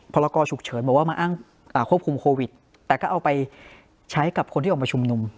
ละกอฉุกเฉินบอกว่ามาอ้างควบคุมโควิดแต่ก็เอาไปใช้กับคนที่ออกมาชุมนุม